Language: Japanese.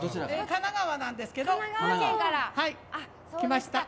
神奈川なんですけど。来ました。